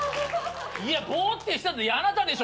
いやぼーってしてあなたでしょ。